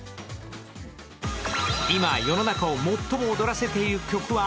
今、世の中を最も踊らせている曲は？